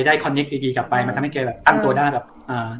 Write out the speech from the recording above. คอนเนคดีดีกลับไปมันทำให้แกแบบตั้งตัวได้แบบอ่า